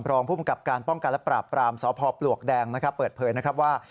รองภูมิกับการป้องกันและปราบปรามสพปลวกแดงนะครับเปิดเผยนะครับว่า